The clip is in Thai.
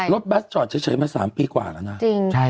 รถบัสจอดเฉปเฉยกว่า๓ปีแล้วนะ